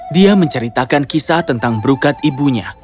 dia menceritakan kisah tentang berukat ibunya